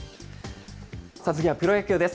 次はプロ野球です。